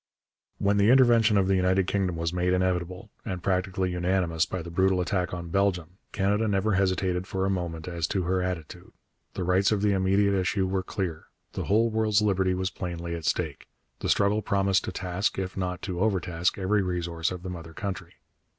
When the intervention of the United Kingdom was made inevitable and practically unanimous by the brutal attack on Belgium, Canada never hesitated for a moment as to her attitude. The rights of the immediate issue were clear; the whole world's liberty was plainly at stake; the struggle promised to task, if not to overtask, every resource of the mother country.